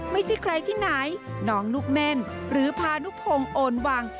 ไม่ใช่ใครที่ไหนน้องลูกเม่นหรือพานุพงศ์โอนวัง